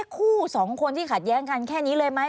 คู่สองคนที่ขัดแย้งกันแค่นี้เลยไหม